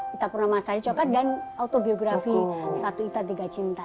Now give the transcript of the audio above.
kita pernah masari coklat dan autobiografi satu itta tiga cinta